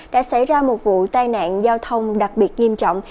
đã xảy ra một vụ tai nạn giao thông đặc biệt nghiêm trọng